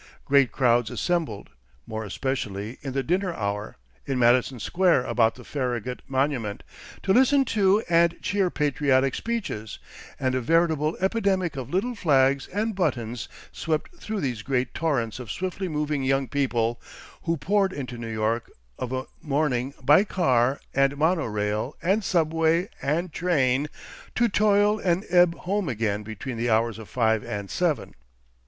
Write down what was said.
Great crowds assembled, more especially in the dinner hour, in Madison Square about the Farragut monument, to listen to and cheer patriotic speeches, and a veritable epidemic of little flags and buttons swept through these great torrents of swiftly moving young people, who poured into New York of a morning by car and mono rail and subway and train, to toil, and ebb home again between the hours of five and seven.